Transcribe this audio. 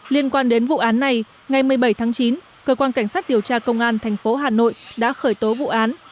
liên quan đến vụ án này ngày một mươi bảy tháng chín cơ quan cảnh sát điều tra công an thành phố hà nội đã khởi tố vụ án